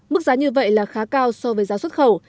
mức giá như vậy là khá cao so với giá xuất khẩu